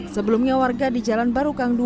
sebelumnya warga di jalan baru kang dua